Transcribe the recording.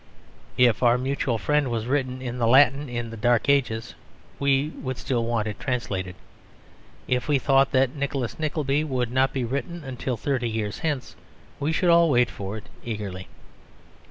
If Our Mutual Friend was written in the Latin of the Dark Ages we should still want it translated. If we thought that Nicholas Nickleby would not be written until thirty years hence we should all wait for it eagerly.